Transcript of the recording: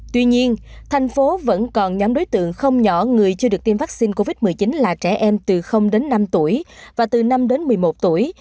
tuy nhiên thành phố vẫn còn nhóm đối tượng không nhỏ người chưa được tiêm vaccine covid một mươi chín là trẻ em từ đến năm tuổi và từ năm đến một mươi một tuổi